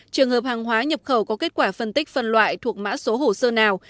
trường hợp hàng hóa nhập khẩu có kết quả phân tích phân loại thuộc mã số hồ sơ nào